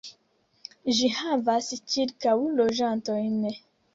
Ĝi havas ĉirkaŭ loĝantojn.